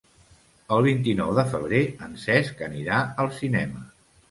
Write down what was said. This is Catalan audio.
El vint-i-nou de febrer en Cesc anirà al cinema.